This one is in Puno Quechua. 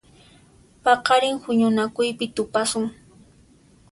Paqarin huñunakuypi tupasun.